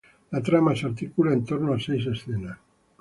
La trama se articula en torno a seis escenas.